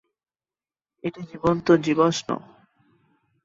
এটি জীবন্ত জীবাশ্ম।